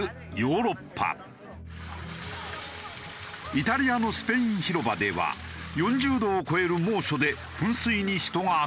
イタリアのスペイン広場では４０度を超える猛暑で噴水に人が集まり。